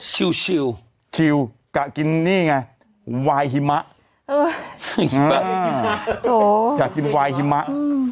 ชิวชิวชิวกะกินนี่ไงวายหิมะเอออยากกินวายหิมะอืม